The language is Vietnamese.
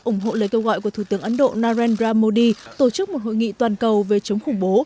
ủng hộ lời kêu gọi của thủ tướng ấn độ narendra modi tổ chức một hội nghị toàn cầu về chống khủng bố